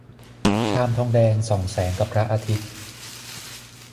ชามทองแดงส่องแสงกับพระอาทิตย์